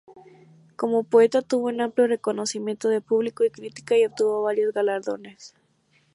Como poeta tuvo en amplio reconocimiento de público y crítica, y obtuvo varios galardones.